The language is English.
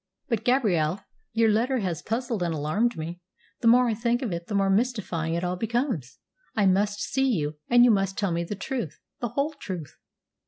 "But, Gabrielle, your letter has puzzled and alarmed me. The more I think of it, the more mystifying it all becomes. I must see you, and you must tell me the truth the whole truth.